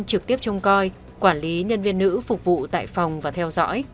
trực tiếp trông coi quản lý nhân viên nữ phục vụ tại phòng và theo dõi